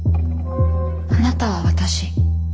あなたは私。